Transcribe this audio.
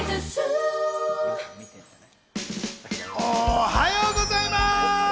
おはようございます。